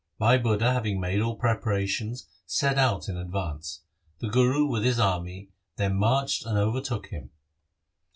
Bhai Budha, having made all preparations, set out in advance. The Guru, with his army, then marched and overtook him.